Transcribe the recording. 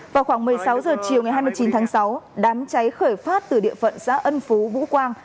vào khoảng một mươi sáu h chiều ngày hai mươi chín tháng sáu đám cháy khởi phát từ địa phận xã ân phú vũ quang